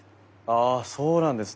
ああそうなんですね。